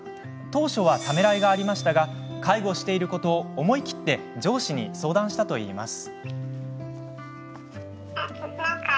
当初は、ためらいがありましたが介護していることを思い切って上司に相談したといいます。